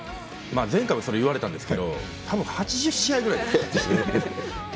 前回もそれ言われたんですけどたぶん８０試合ぐらい。